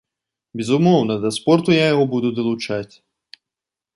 Безумоўна, да спорту я яго буду далучаць.